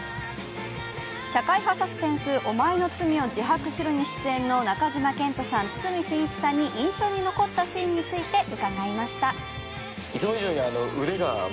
社会派サスペンス、「お前の罪を告白しろ」に出演の中島健人さん、堤真一さんに印象に残ったシーンについて伺いました。